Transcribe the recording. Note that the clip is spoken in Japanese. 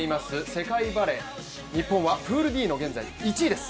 世界バレー、日本はプールＤの現在、１位です。